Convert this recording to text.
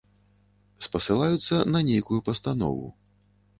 Спасылаюцца на нейкую пастанову.